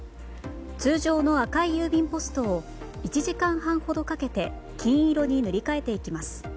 通常の赤い郵便ポストを１時間半ほどかけて金色に塗り替えていきます。